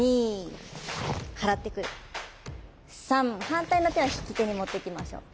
３反対の手は引き手に持っていきましょう。